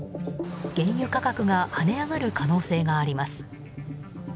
原油価格が跳ね上がる可能性があります。